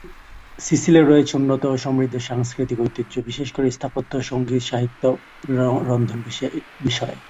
সিসিলির রয়েছে উন্নত ও সমৃদ্ধ সাংস্কৃতিক ঐতিহ্য বিশেষকরে স্থাপত্য, সঙ্গীত, সাহিত্য, রন্ধন বিষয়ে।